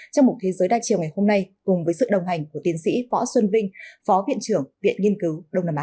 trong một thế giới đa chiều ngày hôm nay cùng với sự đồng hành của tiến sĩ võ xuân vinh phó viện trưởng viện nghiên cứu đông nam á